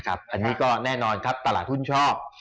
อันนี้ก็แน่นอนครับตลาดหุ้นชอบ